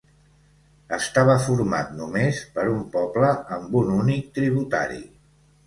Estava format només per un poble amb un únic tributari.